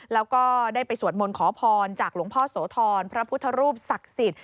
แล้วก็ได้ไปสวดมนต์ขอพรจากหลวงพ่อโสธรพระพุทธรูปศักดิ์สิทธิ